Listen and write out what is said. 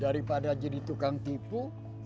daripada jadi tukang tipu